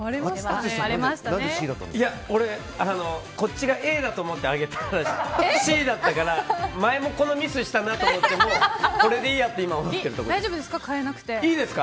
俺、こっちがＡだと思って上げたらＣだったから前もこのミスしたなと思ってこれでいいやと思ってるところです。